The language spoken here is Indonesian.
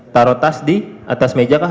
taruh tas di atas meja kah